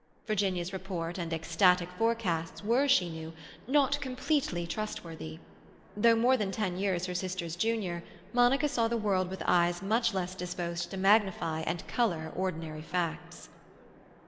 Virginia's report and ecstatic forecasts were, she knew, not completely trustworthy; though more than ten years her sister's junior, Monica saw the world with eyes much less disposed to magnify and colour ordinary facts.